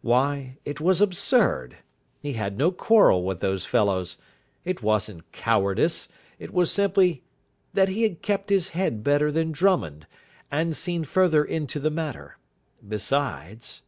Why, it was absurd. He had no quarrel with those fellows. It wasn't cowardice. It was simply that he had kept his head better than Drummond, and seen further into the matter. Besides....